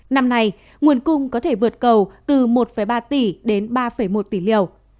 năm nay nguồn cung có thể vượt cầu từ một ba tỷ đến ba một tỷ liều